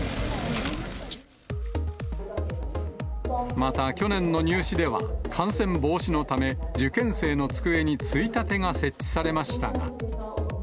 また、去年の入試では、感染防止のため、受験生の机についたてが設置されましたが。